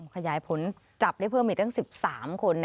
ขยายผลจับได้เพิ่มอีกตั้ง๑๓คน